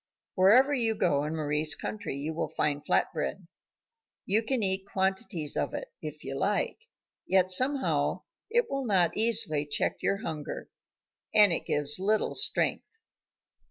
Wherever you go in Mari's country you will find flat bread. You can eat quantities of it, if you like, yet somehow it will not easily check your hunger, and it gives little strength.